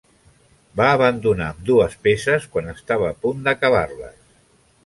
Va abandonar ambdues peces quan estava a punt d'acabar-les.